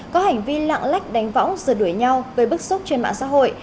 có hành vi lạng lách đánh võng giờ đuổi nhau với bức xúc trên mạng xã hội